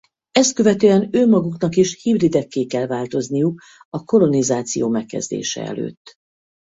Ezt követően ő maguknak is hibridekké kell változniuk a kolonizáció megkezdése előtt.